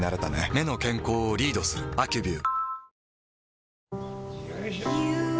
目の健康をリードする「アキュビュー」